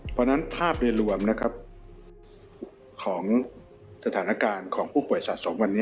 เพราะฉะนั้นภาพโดยรวมนะครับของสถานการณ์ของผู้ป่วยสะสมวันนี้